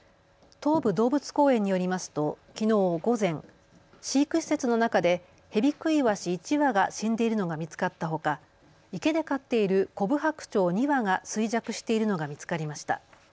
東武動物公園によりますときのう午前、飼育施設の中でヘビクイワシ１羽が死んでいるのが見つかったほか、池で飼っているコブハクチョウ２羽が衰弱しているのが見つかりました。